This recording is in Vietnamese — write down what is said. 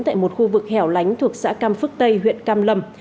tại một khu vực hẻo lánh thuộc xã cam phước tây huyện cam lâm